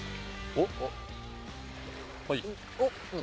おっ。